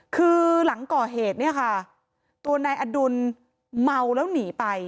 คือหลังก่อเหตุเนี่ยค่ะตัวนายอดุลเมาแล้วหนีไป